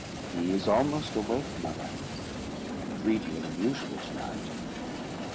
"He is almost awake, mother; and greedier than usual to night."